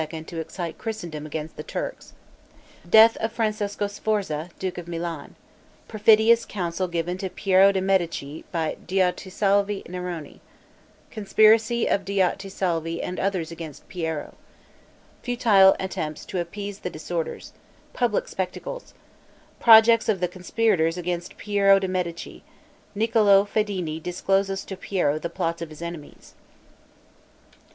to excite Christendom against the Turks Death of Francesco Sforza, duke of Milan Perfidious counsel given to Piero de' Medici by Diotisalvi Neroni Conspiracy of Diotisalvi and others against Piero Futile attempts to appease the disorders Public spectacles Projects of the conspirators against Piero de' Medici Niccolo Fedini discloses to Piero the plots of his enemies.